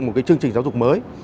một cái chương trình giáo dục mới